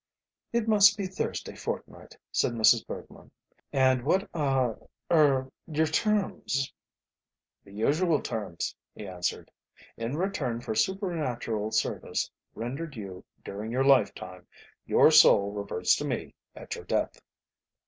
"It must be Thursday fortnight," said Mrs. Bergmann. "And what, ah er your terms?" "The usual terms," he answered. "In return for supernatural service rendered you during your lifetime, your soul reverts to me at your death."